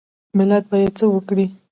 ملت باید څه وکړي؟